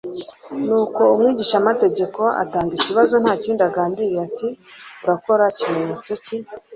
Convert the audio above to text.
Nuko umwigishamategeko atanga ikibazo nta kindi agambiriye ati: "Urakora kimenyetso ki